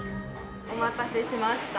お待たせしました。